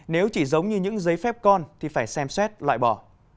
nếu chỉ giống như những giấy phép con thì phải xem xét loại bỏ